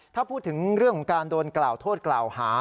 ถ้าพูดถึงเรื่องของการโกรธกล่าวหา